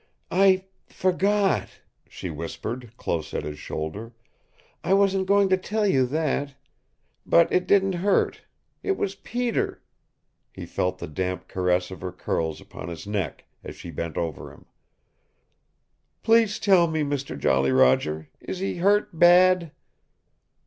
"I forgot," she whispered, close at his shoulder. "I wasn't goin' to tell you that. But it didn't hurt. It was Peter " He felt the damp caress of her curls upon his neck as she bent over him. "Please tell me, Mister Jolly Roger is he hurt bad?"